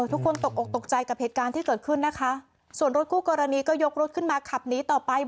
ทุกคนตกออกตกใจกับเหตุการณ์ที่เกิดขึ้นนะคะส่วนรถคู่กรณีก็ยกรถขึ้นมาขับหนีต่อไป